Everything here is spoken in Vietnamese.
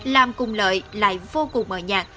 làm cùng lợi lại vô cùng mờ nhạt